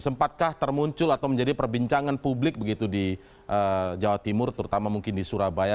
sempatkah termuncul atau menjadi perbincangan publik begitu di jawa timur terutama mungkin di surabaya